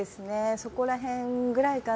そこら辺ぐらいかな。